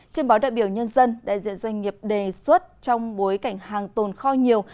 trên báo đại biểu nhân dân đại diện doanh nghiệp đề xuất trong bối cảnh hàng tồn kho nhiều